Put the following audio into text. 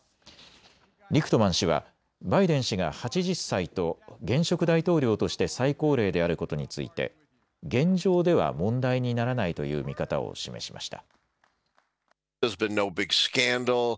リクトマン氏はバイデン氏が８０歳と現職大統領として最高齢であることについて現状では問題にならないという見方を示しました。